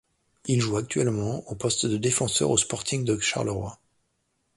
Il joue actuellement au poste de défenseur au Sporting de Charleroi.